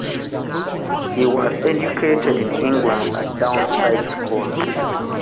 He was educated in England at Downside School.